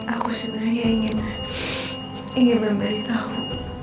aku sebenarnya ingin memberitahu